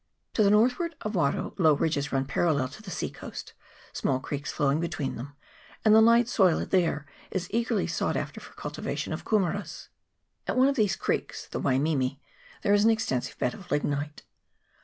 To the northward of Waro low ridges run parallel to the sea coast, small creeks flowing between them, and the light soil there is eagerly sought after for the cultivation of kumeras At one of these creeks, the Wai mimi, there is an extensive bed of lignite.